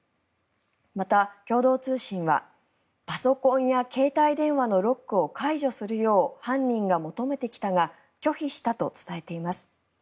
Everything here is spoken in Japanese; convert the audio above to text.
また、共同通信はパソコンや携帯電話のロックを解除するよう犯人が求めてきたが拒否したと伝えています。